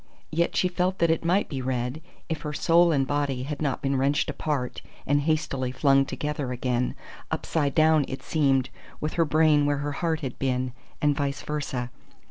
Yet she felt that it might be read, if her soul and body had not been wrenched apart, and hastily flung together again, upside down, it seemed, with her brain where her heart had been, and vice versa.